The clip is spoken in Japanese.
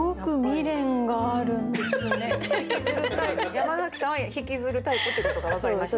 山崎さんは引きずるタイプってことが分かりましたね